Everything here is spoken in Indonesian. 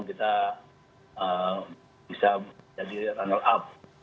kita bisa jadi runner up